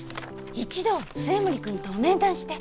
一度末森君と面談して。